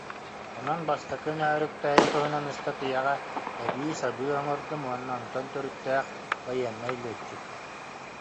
Онон Бастакы Нөөрүктээйи туһунан ыстатыйаҕа эбии-сабыы оҥордум уонна онтон төрүттээх байыаннай лүөччүк